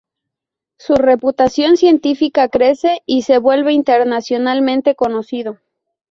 Su reputación científica crece y se vuelve internacionalmente conocido.